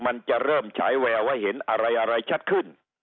มันจะเริ่มฉายแววให้เห็นอะไรอะไรชัดขึ้น